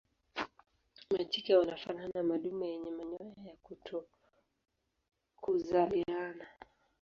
Majike wanafanana na madume yenye manyoya ya kutokuzaliana.